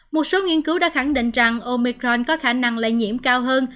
một số nghiên cứu đã khẳng định rằng omicron có khả năng lây nhiễm cao hơn